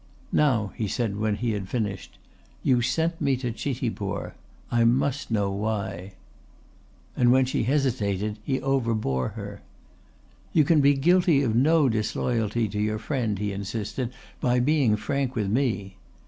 "Now," he said when he had finished, "you sent me to Chitipur. I must know why." And when she hesitated he overbore her. "You can be guilty of no disloyalty to your friend," he insisted, "by being frank with me.